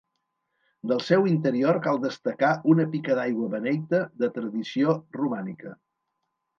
Del seu interior cal destacar una pica d'aigua beneita de tradició romànica.